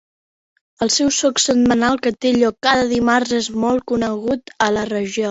El seu soc setmanal, que té lloc cada dimarts, és molt conegut a la regió.